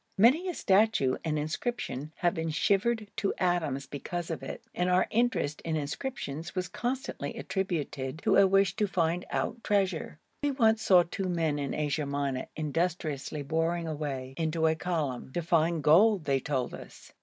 Many a statue and inscription has been shivered to atoms because of it, and our interest in inscriptions was constantly attributed to a wish to find out treasure. We once saw two men in Asia Minor industriously boring away into a column to find gold they told us.